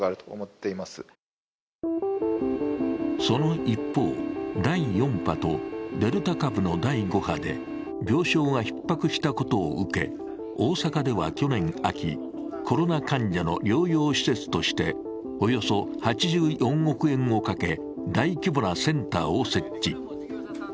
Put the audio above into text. その一方、第４波とデルタ株の第５波で病床がひっ迫したことを受け大阪では去年秋、コロナ患者の療養施設としておよそ８４億円をかけ大規模なセンターを設置。